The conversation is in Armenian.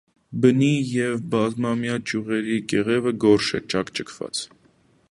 Բնի և բազմամյա ճյուղերի կեղևը գորշ է, ճաքճքված։